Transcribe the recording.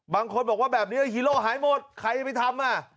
บางคนบอกว่าแบบนี้ฮีโร่หายหมดใครไปทำอ่ะ